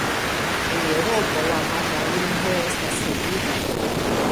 En Eŭropo, la malta lingvo estas semida.